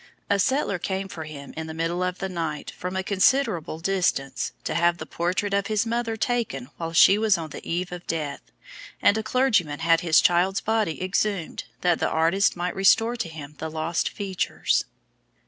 A settler came for him in the middle of the night from a considerable distance to have the portrait of his mother taken while she was on the eve of death, and a clergyman had his child's body exhumed that the artist might restore to him the lost features.